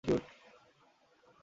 তোমরা মেয়েরা আসলেই অনেক কিউট!